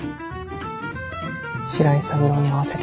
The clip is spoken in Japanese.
白井三郎に会わせて。